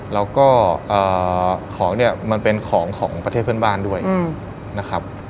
แล้วก็ของเนี่ยมันเป็นของของประเทศเพื่อนบ้านด้วยนะครับ